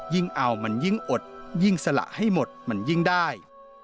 เอามันยิ่งอดยิ่งสละให้หมดมันยิ่งได้